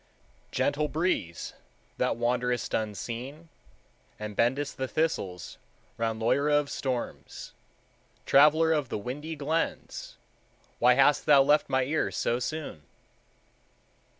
"Gentle breeze, that wanderest unseen, And bendest the thistles round Loira of storms, Traveler of the windy glens, Why hast thou left my ear so soon?"